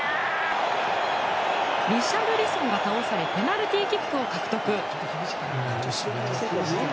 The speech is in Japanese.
リシャルリソンが倒されペナルティーキックを獲得。